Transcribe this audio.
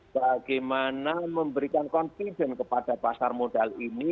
bagaimana memberikan confident kepada pasar modal ini